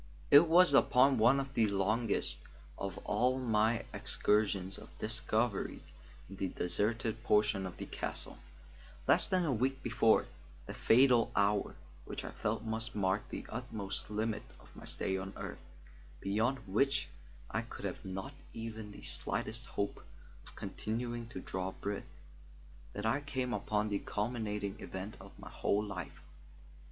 It was upon one of the longest of all my excursions of discovery in the deserted portion of the castle, less than a week before that fatal hour which I felt must mark the utmost limit of my stay on earth, beyond which I could have not even the slightest hope of continuing to draw breath, that I came upon the culminating event of my whole life.